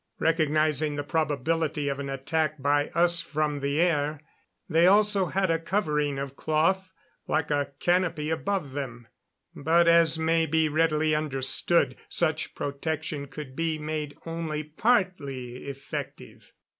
Recognizing the probability of an attack by us from the air, they also had a covering of the cloth, like a canopy above them. But as may be readily understood, such protection could be made only partly effective.